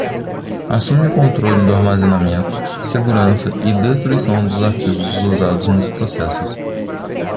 Assume o controle do armazenamento, segurança e destruição dos arquivos usados nos processos.